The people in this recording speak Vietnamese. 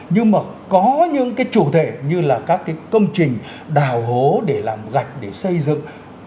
nhưng mà có những cái chủ thể như là các cái công trình đào hố để làm gạch để xây dựng